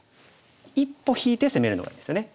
一歩引いて攻めるのがいいんですよね。